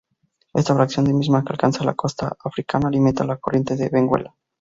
Esa fracción de misma que alcanza la costa africana alimenta la corriente de Benguela.